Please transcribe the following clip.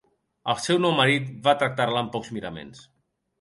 El seu nou marit va tractar-la amb pocs miraments.